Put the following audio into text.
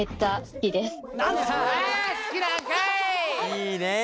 いいね。